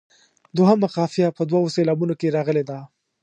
دوهمه قافیه په دوو سېلابونو کې راغلې ده.